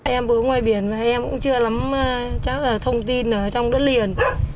em vướng ngoài biển và em cũng chưa lắm chắc là thông tin ở trong đất liền